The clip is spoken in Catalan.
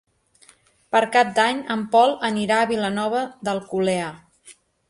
Per Cap d'Any en Pol anirà a Vilanova d'Alcolea.